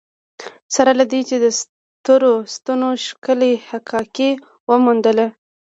سره له دې یې د سترو ستنو ښکلې حکاکي وموندله.